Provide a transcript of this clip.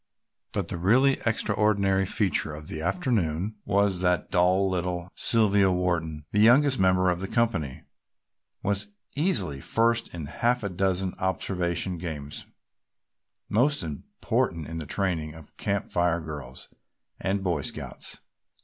But the really extraordinary feature of the afternoon was that dull little Sylvia Wharton, the youngest member of the company, was easily first in half a dozen observation games most important in the training of Camp Fire girls and Boy Scouts.